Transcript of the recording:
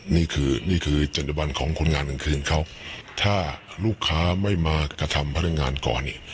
นี่คือนี่คือจัญญบันของคนงานกลางคืนเขาถ้าลูกค้าไม่มากระทำพนักงานก่อนเนี่ย